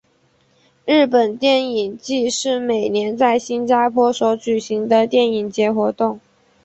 日本电影祭是每年在新加坡所举行的电影节活动。